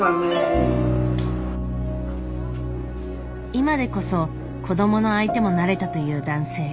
今でこそ子どもの相手も慣れたという男性。